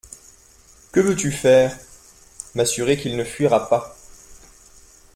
Que veux-tu faire ? M'assurer qu'il ne fuira pas.